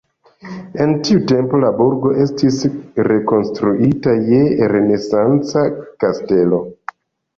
En tiu tempo la burgo estis rekonstruita je renesanca kastelo.